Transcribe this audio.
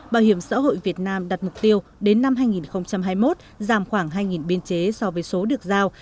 bảo hiểm xã hội việt nam đặt mục tiêu đến năm hai nghìn hai mươi một giảm khoảng hai biên chế so với số được giao